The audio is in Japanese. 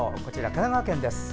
神奈川県です。